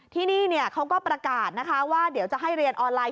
ที่นี่เขาก็ประกาศนะคะว่าเดี๋ยวจะให้เรียนออนไลน์